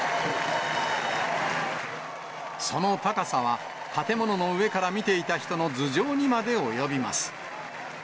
その高さは、建物の上から見ていた人の頭上にまで及びます。